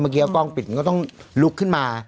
เมื่อกี้เอากล้องปิดมันก็ต้องลุกขึ้นมา